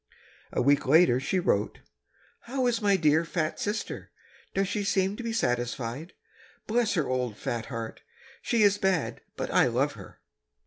A week later she wrote, "How is my little fat sister? Does she seem to be satisfied? Bless her old fat heart, she is bad but I love her."